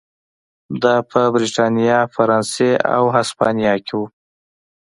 دا په برېټانیا، فرانسې او هسپانیا کې و.